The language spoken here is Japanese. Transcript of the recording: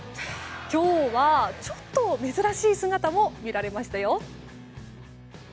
今日は、ちょっと珍しい姿も見られましたよ。